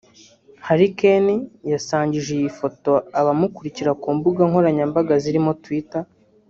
Harry Kane yasangije iyi foto abamukurikira ku mbuga nkoranyambaga zirimo Twitter